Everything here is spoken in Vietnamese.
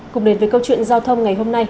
cùng đến với câu chuyện giao thông ngày hôm nay